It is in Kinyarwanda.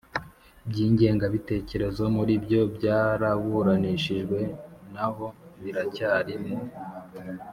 by ingengabitekerezo muribyo byaraburanishijwe naho biracyari mu